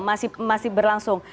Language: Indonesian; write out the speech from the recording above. betul masih berlangsung